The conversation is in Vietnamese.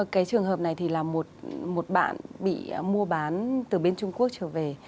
cái trường hợp này thì là một bạn bị mua bán từ bên trung quốc trở về